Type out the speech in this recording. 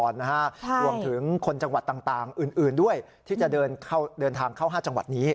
รวมถึงคนจังหวัดต่างอื่นด้วยที่จะเดินทางเข้า๕จังหวัดนี้